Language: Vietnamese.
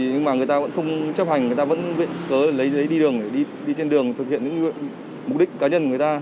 nhưng mà người ta vẫn không chấp hành người ta vẫn viện cớ lấy giấy đi đường để đi trên đường thực hiện những mục đích cá nhân của người ta